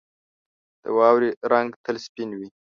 • د واورې رنګ تل سپین وي.